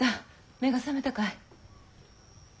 目が覚めたかい？